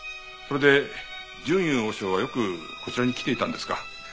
それで淳雄和尚はよくこちらに来ていたんですか？